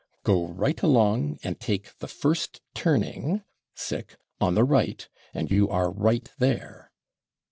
Go /right/ along, and take the first turning (/sic/) on the /right/, and you are /right/ there.